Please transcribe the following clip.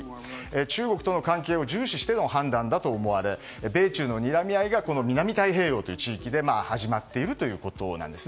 中国との関係を重視しての判断だと思われ米中のにらみ合いが南太平洋地域で始まっているということなんです。